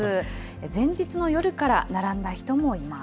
前日の夜から並んだ人もいます。